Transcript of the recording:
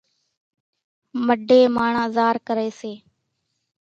مڍين ماڻۿان زار ڪري سي